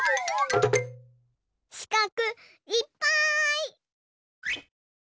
しかくいっぱい！